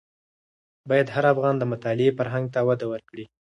باید هر افغان د مطالعې فرهنګ ته وده ورکړي.